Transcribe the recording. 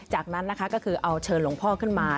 จากนั้นนะคะก็คือเอาเชิญหลวงพ่อขึ้นมา